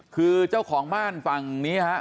คือเจ้าของบ้านฝั่งนี้ฮะ